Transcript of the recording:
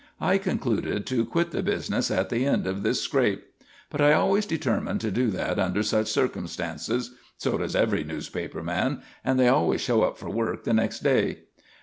I concluded to quit the business at the end of this scrape. But I always determined to do that under such circumstances. So does every newspaper man; and they always show up for work the next day.